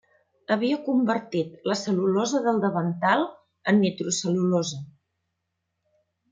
Havia convertit la cel·lulosa del davantal en nitrocel·lulosa.